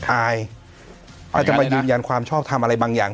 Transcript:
อายอาจจะมายืนยันความชอบทำอะไรบางอย่าง